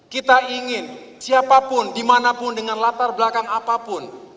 kita ingin siapapun dimanapun dengan latar belakang apapun